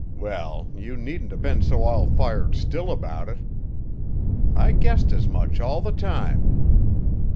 Well, you needn't 'a' been so all fired still about it. I guessed as much all the time."